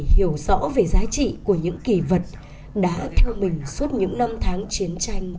hiểu rõ về giá trị của những kỳ vật đã theo mình suốt những năm tháng chiến tranh